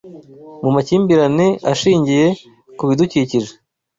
Mu makimbirane ashingiye ku bidukikije,